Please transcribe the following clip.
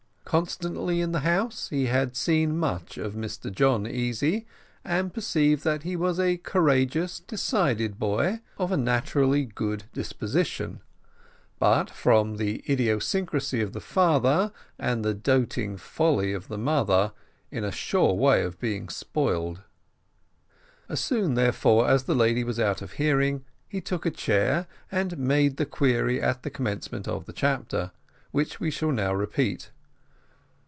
Constantly in the house, he had seen much of Mr John Easy, and perceived that he was a courageous, decided boy, of a naturally good disposition; but from the idiosyncrasy of the father and the doting folly of the mother, in a sure way of being spoiled. As soon, therefore, as the lady was out of hearing, he took a chair, and made the query at the commencement of the chapter, which we shall now repeat.